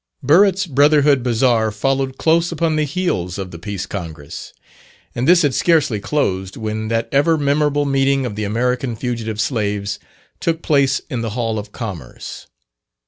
Burritt's Brotherhood Bazaar followed close upon the heels of the Peace Congress; and this had scarcely closed, when that ever memorable meeting of the American Fugitive Slaves took place in the Hall of Commerce.